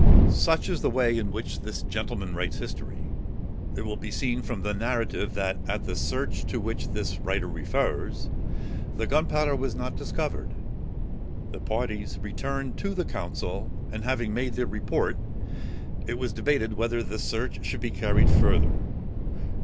Such is the way in which this gentleman writes history. It will be seen from the narrative, that at the search to which this writer refers, the gunpowder was not discovered. The parties returned to the council, and having made their report, it was debated whether the search should be carried further.